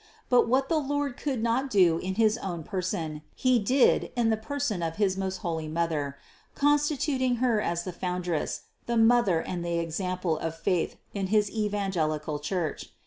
But what the Lord could not do in his own Person, He did in the person of his most holy Mother, constitut ing Her as the Foundress, the Mother and the example of faith in his evangelical Church.